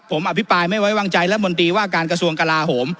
ผมอภิปรายไม่ไว้วางใจรัฐมนตรีว่าการกระทรวงกลาโหม